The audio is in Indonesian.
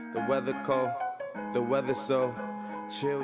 selamat pagi selamat siang